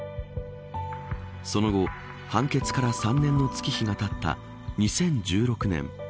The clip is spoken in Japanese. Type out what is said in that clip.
その後、判決から３年の月日がたった２０１６年